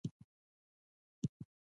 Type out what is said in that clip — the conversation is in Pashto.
چین د نړیوالې سوداګرۍ قواعد مراعت کوي.